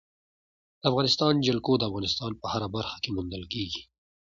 د افغانستان جلکو د افغانستان په هره برخه کې موندل کېږي.